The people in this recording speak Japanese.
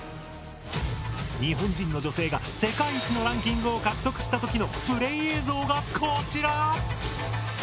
日本人の女性が世界一のランキングを獲得した時のプレイ映像がこちら！